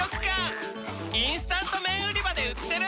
チキンかじり虫インスタント麺売り場で売ってる！